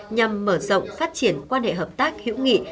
nhằm mở rộng phát triển quan hệ hợp tác hữu nghị